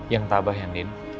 yang tabah nya andin